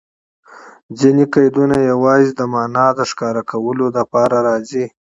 ځیني قیدونه یوازي د مانا د ښکاره کولو له پاره راځي.